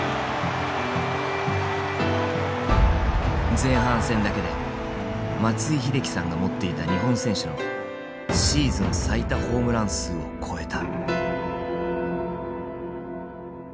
前半戦だけで松井秀喜さんが持っていた日本選手のシーズン最多ホームラン数を超えた。